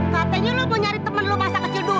katanya kamu mau cari teman kamu pas kecil dahulu